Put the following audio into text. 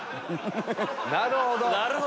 なるほど！